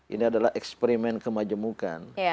ini adalah eksperimen kemajemukan